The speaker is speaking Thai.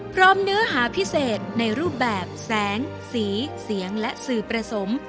พร้อมเนื้อหาพิเศษในรูปแบบแสงสีเสียงและสื่อประสงค์